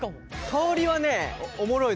香りはねおもろいぞ。